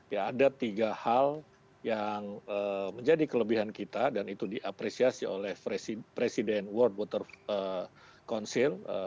ya ada tiga hal yang menjadi kelebihan kita dan itu diapresiasi oleh presiden world water council